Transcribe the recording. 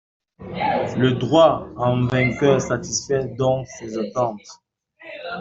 Le droit en vigueur satisfait donc ces attentes.